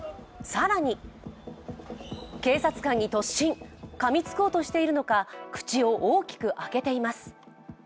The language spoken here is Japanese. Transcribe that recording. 更に警察官に突進、かみつこうとしているのか口を大きく開けています。